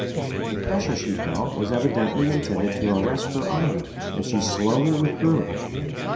The pressure she felt was evidently intended to arrest her arm, and she slowly withdrew it.